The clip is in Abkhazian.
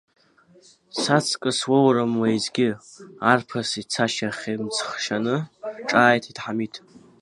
Саҵкьыс уоурым уеизгьы, арԥыс ицашьа хьымӡӷшьаны ҿааиҭит Ҳамиҭ.